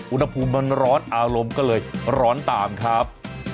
อุณหภูมิมันร้อนอารมณ์ก็เลยร้อนตามครับ